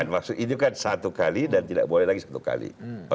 maksud itu kan satu kali dan tidak boleh lagi satu kali